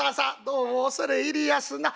「どうも恐れ入りやすな。